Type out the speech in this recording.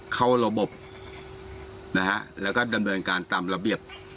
เข้าระบบนะฮะแล้วก็ดำเนินการตามระเบียบ